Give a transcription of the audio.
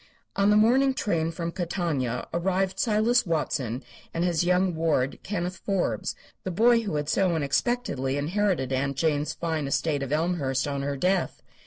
On the morning train from Catania arrived Silas Watson and his young ward Kenneth Forbes, the boy who had so unexpectedly inherited Aunt Jane's fine estate of Elmhurst on her death.